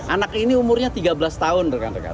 anak ini umurnya tiga belas tahun